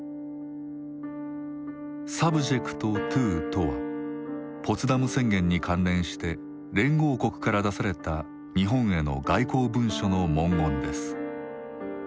「ｓｕｂｊｅｃｔｔｏ」とはポツダム宣言に関連して連合国から出された日本への外交文書の文言です。